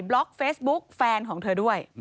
ล็อกเฟซบุ๊กแฟนของเธอด้วย